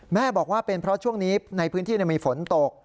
แม่บอกว่าเป็นเพราะช่วงนี้ในพื้นที่มีฝนตก